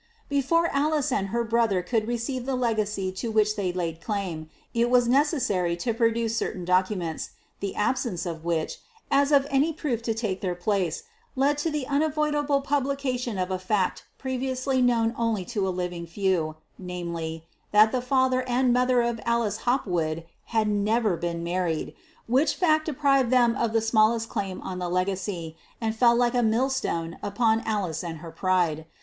Before Alice and her brother could receive the legacy to which they laid claim, it was necessary to produce certain documents, the absence of which, as of any proof to take their place, led to the unavoidable publication of a fact previously known only to a living few namely, that the father and mother of Alice Hopwood had never been married, which fact deprived them of the smallest claim on the legacy, and fell like a millstone upon Alice and her pride.